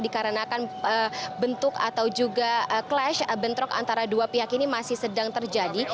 dikarenakan bentuk atau juga clash bentrok antara dua pihak ini masih sedang terjadi